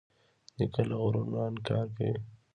نیکه له غرور نه انکار کوي.